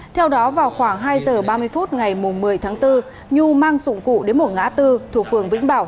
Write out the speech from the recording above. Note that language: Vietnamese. theo đó vào khoảng hai giờ ba mươi phút ngày một mươi tháng bốn nhu mang dụng cụ đến một ngã tư thuộc phường vĩnh bảo